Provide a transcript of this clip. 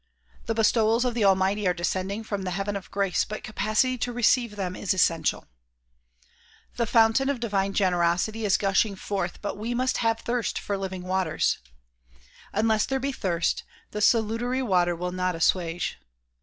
The bestowals of the almighty are descending from the heaven of grace but capacity to receive them is essential. The fountain of divine generosity is gushing forth but we must have thirst for the living waters. Unless there be thirst the salutary water will not assuage.